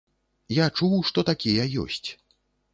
Я чуў, што такія ёсць.